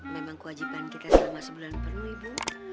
memang kewajiban kita selama sebulan penuh ibu